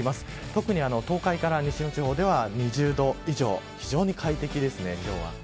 特に東海から西の地方は２０度以上と非常に快適ですね、きょうは。